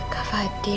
kamu belum tidur